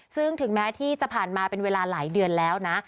ซึ่งถึงแม้ที่จะผ่านมาเป็นเวลาหลายเดือนแล้วนะ